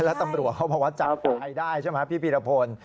แล้วตำรวจเขาบอกว่าจับตายได้ใช่ไหมพี่พีรพล